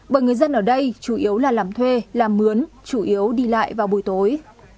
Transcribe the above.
bởi người dân ở đây chủ yếu là làm thuê làm mướn chủ yếu đi lại vào buổi tối